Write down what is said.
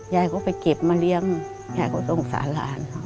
ย่าเขาไปเก็บมาเลี้ยงย่าเขาสงสารหลาน